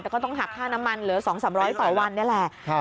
แต่ก็ต้องหักค่าน้ำมันเหลือ๒๓๐๐ต่อวันนี่แหละ